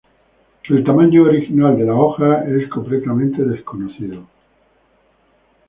El tamaño original de la hoja es completamente desconocido.